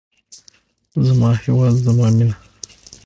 زما هیواد زما مینه.